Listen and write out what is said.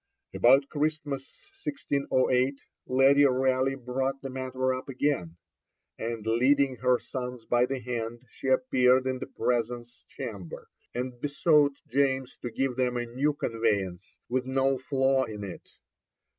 About Christmas 1608 Lady Raleigh brought the matter up again, and leading her sons by the hand she appeared in the Presence Chamber, and besought James to give them a new conveyance, with no flaw in it.